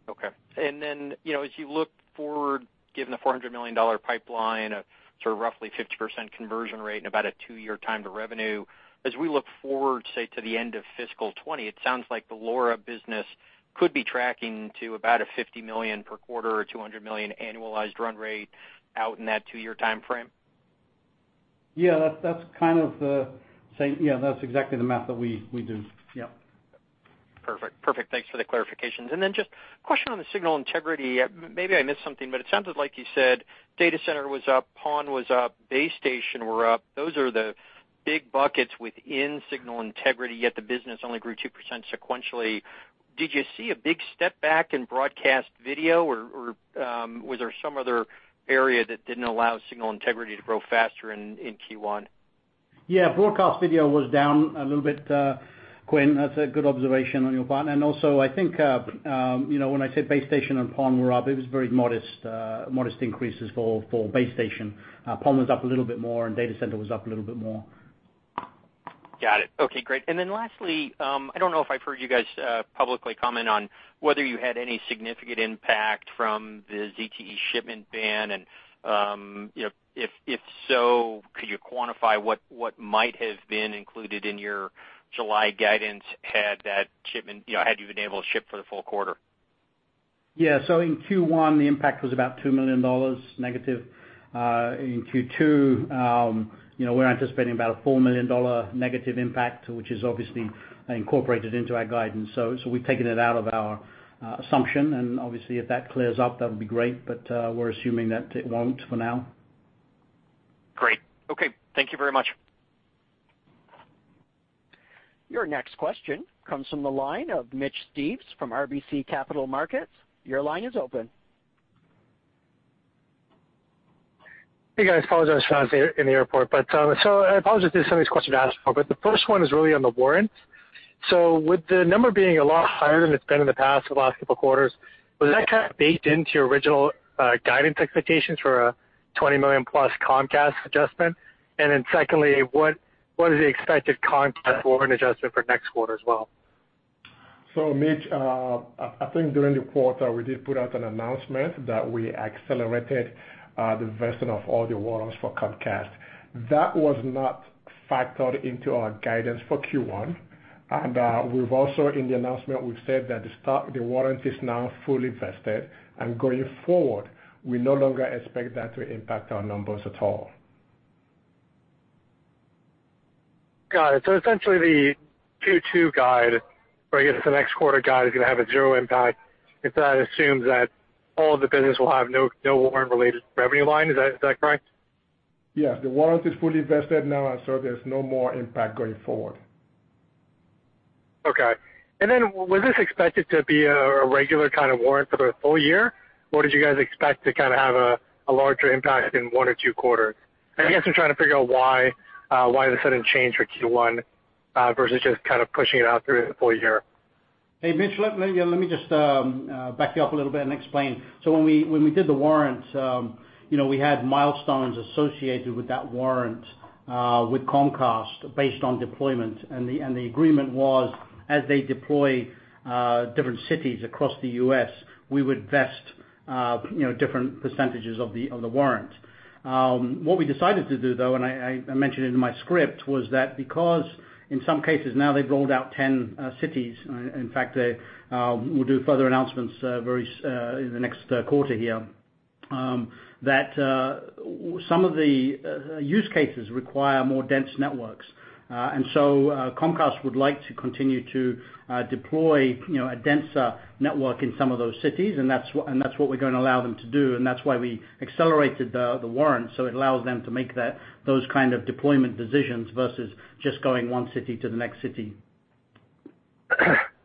Okay. As you look forward, given the $400 million pipeline, sort of roughly 50% conversion rate and about a two-year time to revenue, as we look forward, say, to the end of fiscal 2020, it sounds like the LoRa business could be tracking to about a $50 million per quarter or $200 million annualized run rate out in that two-year timeframe. Yeah, that's exactly the math that we do. Yep. Perfect. Thanks for the clarifications. Just a question on the signal integrity. Maybe I missed something, but it sounded like you said data center was up, PON was up, base station were up. Those are the big buckets within signal integrity, yet the business only grew 2% sequentially. Did you see a big step back in broadcast video, or was there some other area that didn't allow signal integrity to grow faster in Q1? Broadcast video was down a little bit, Quinn. That's a good observation on your part. I think when I said base station and PON were up, it was very modest increases for base station. PON was up a little bit more, and data center was up a little bit more. Got it. Okay, great. Lastly, I don't know if I've heard you guys publicly comment on whether you had any significant impact from the ZTE shipment ban, and if so, could you quantify what might have been included in your July guidance had you been able to ship for the full quarter? In Q1, the impact was about $2 million negative. In Q2, we're anticipating about a $4 million negative impact, which is obviously incorporated into our guidance. We've taken it out of our assumption, and obviously, if that clears up, that would be great, but we're assuming that it won't for now. Great. Okay. Thank you very much. Your next question comes from the line of Mitch Steves from RBC Capital Markets. Your line is open. Hey, guys. Apologize, guys, in the airport. I apologize if some of these questions were asked before, but the first one is really on the warrant. With the number being a lot higher than it's been in the past couple of quarters, was that kind of baked into your original guidance expectations for a $20 million+ Comcast adjustment? Secondly, what is the expected Comcast warrant adjustment for next quarter as well? Mitch, I think during the quarter, we did put out an announcement that we accelerated the vesting of all the warrants for Comcast. That was not factored into our guidance for Q1. We've also, in the announcement, we've said that the warrant is now fully vested, and going forward, we no longer expect that to impact our numbers at all. Got it. Essentially, the Q2 guide, or I guess the next quarter guide is going to have a zero impact if that assumes that all of the business will have no warrant-related revenue line. Is that correct? Yeah, the warrant is fully vested now, there's no more impact going forward. Okay. Was this expected to be a regular kind of warrant for the full year, or did you guys expect to kind of have a larger impact in one or two quarters? I guess I'm trying to figure out why the sudden change for Q1 versus just kind of pushing it out through the full year. Hey, Mitch, let me just back you up a little bit and explain. When we did the warrant, we had milestones associated with that warrant, with Comcast based on deployment. The agreement was, as they deploy different cities across the U.S., we would vest different percentages of the warrant. What we decided to do, though, and I mentioned it in my script, was that because in some cases now they've rolled out 10 cities, in fact, we'll do further announcements in the next quarter here, that some of the use cases require more dense networks. Comcast would like to continue to deploy a denser network in some of those cities, and that's what we're going to allow them to do. That's why we accelerated the warrant, so it allows them to make those kind of deployment decisions versus just going one city to the next city.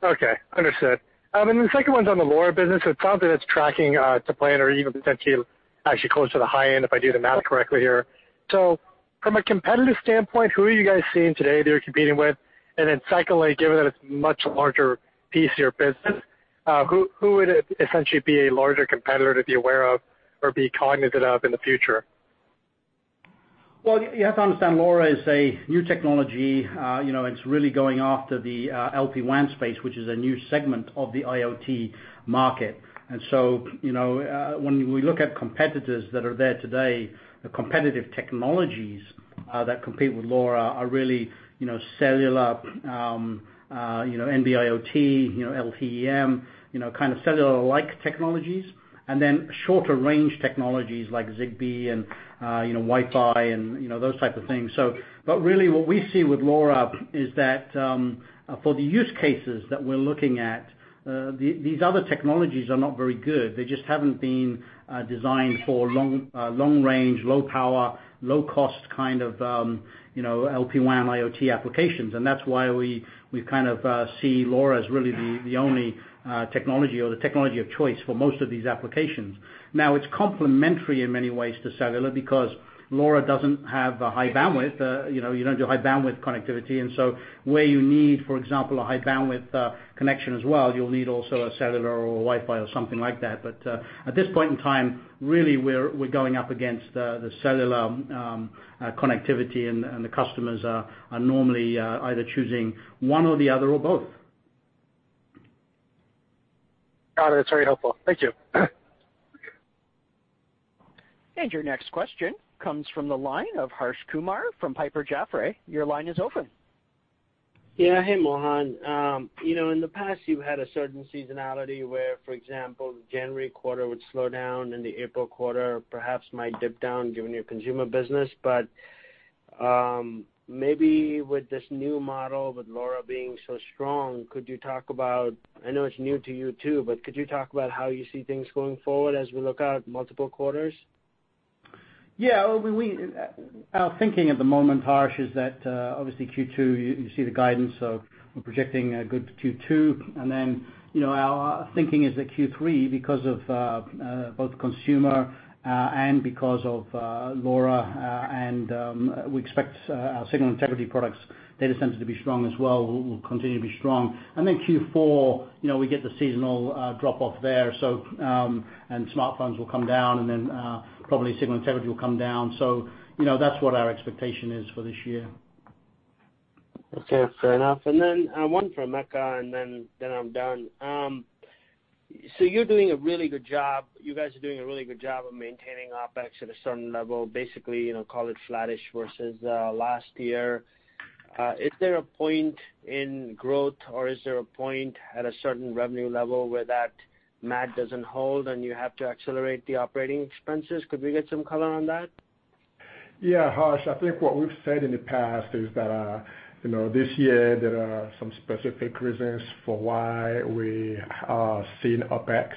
Okay. Understood. The second one's on the LoRa business. It sounded it's tracking to plan or even potentially actually close to the high end if I do the math correctly here. From a competitive standpoint, who are you guys seeing today that you're competing with? Secondly, given that it's a much larger piece of your business, who would essentially be a larger competitor to be aware of or be cognizant of in the future? Well, you have to understand, LoRa is a new technology. It's really going after the LPWAN space, which is a new segment of the IoT market. When we look at competitors that are there today, the competitive technologies that compete with LoRa are really cellular, NB-IoT, LTE-M, kind of cellular-like technologies, then shorter range technologies like Zigbee and Wi-Fi and those type of things. Really what we see with LoRa is that for the use cases that we're looking at, these other technologies are not very good. They just haven't been designed for long range, low power, low cost kind of LPWAN IoT applications. That's why we kind of see LoRa as really the only technology or the technology of choice for most of these applications. Now it's complementary in many ways to cellular because LoRa doesn't have a high bandwidth. You don't do high bandwidth connectivity. Where you need, for example, a high bandwidth connection as well, you'll need also a cellular or a Wi-Fi or something like that. At this point in time, really, we're going up against the cellular connectivity and the customers are normally either choosing one or the other, or both. Got it. That's very helpful. Thank you. Your next question comes from the line of Harsh Kumar from Piper Jaffray. Your line is open. Hey, Mohan. In the past you had a certain seasonality where, for example, the January quarter would slow down and the April quarter perhaps might dip down given your consumer business. Maybe with this new model, with LoRa being so strong, could you talk about, I know it's new to you too, but could you talk about how you see things going forward as we look out multiple quarters? Our thinking at the moment, Harsh, is that obviously Q2 you see the guidance, we're projecting a good Q2. Our thinking is that Q3, because of both consumer, because of LoRa, we expect our signal integrity products data center to be strong as well, will continue to be strong. Q4, we get the seasonal drop off there. Smartphones will come down probably signal integrity will come down. That's what our expectation is for this year. Okay. Fair enough. One for Emeka, and then I'm done. You're doing a really good job. You guys are doing a really good job of maintaining OpEx at a certain level, basically, call it flattish versus last year. Is there a point in growth, or is there a point at a certain revenue level where that math doesn't hold and you have to accelerate the operating expenses? Could we get some color on that? Yeah, Harsh, I think what we've said in the past is that this year there are some specific reasons for why we are seeing OpEx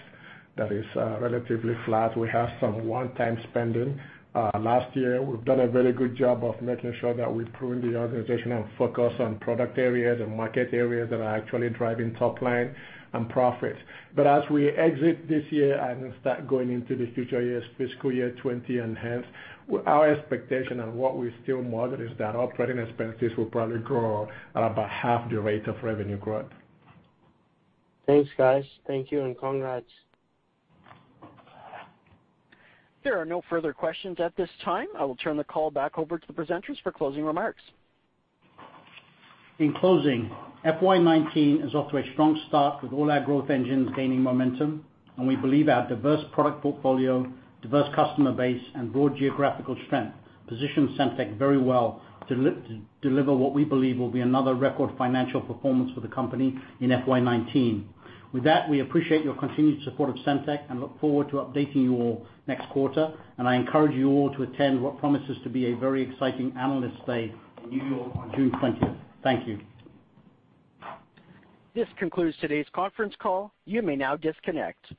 that is relatively flat. We have some one-time spending. Last year, we've done a very good job of making sure that we prune the organization and focus on product areas and market areas that are actually driving top line and profits. As we exit this year and start going into the future years, fiscal year 2020 and hence, our expectation and what we still model is that operating expenses will probably grow at about half the rate of revenue growth. Thanks, guys. Thank you, and congrats. There are no further questions at this time. I will turn the call back over to the presenters for closing remarks. In closing, FY 2019 is off to a strong start with all our growth engines gaining momentum, and we believe our diverse product portfolio, diverse customer base, and broad geographical strength position Semtech very well to deliver what we believe will be another record financial performance for the company in FY 2019. With that, we appreciate your continued support of Semtech and look forward to updating you all next quarter, and I encourage you all to attend what promises to be a very exciting Analyst Day in New York on June 20th. Thank you. This concludes today's conference call. You may now disconnect.